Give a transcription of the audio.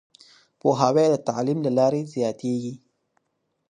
پوهاوی د تعليم له لارې زياتېږي.